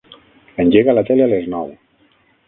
Engega la tele a les nou.